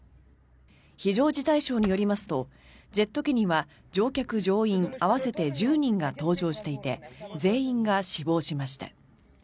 非常事態省によりますとジェット機には乗員・乗客合わせて１０人が搭乗していて全員が死亡しました。